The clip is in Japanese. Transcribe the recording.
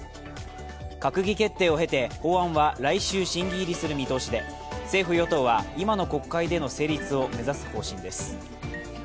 閣議決定を経て、法案は来週審議入りする見通しで、政府・与党は、今の国会での成立を目指す方針です。